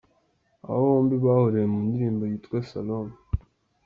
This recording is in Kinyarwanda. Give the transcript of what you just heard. Aba bombi bahuriye mu ndirimbo yitwa ’Salome’.